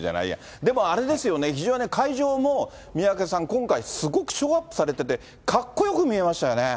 でも、あれですね、会場も三宅さん、今回、すごくショーアップされてて、かっこよく見えましたよね。